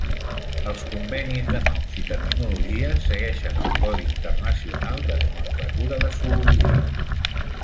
Els convenis de noms i terminologia segueixen el codi internacional de nomenclatura de zoologia.